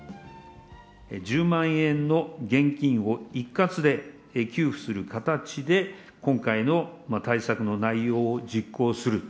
１０万円の現金を一括で給付する形で今回の対策の内容を実行する。